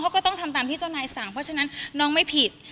เขาก็ต้องทำตามที่เจ้านายสั่งเพราะฉะนั้นน้องไม่ผิด